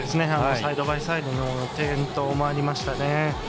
サイドバイサイドの転倒もありましたね。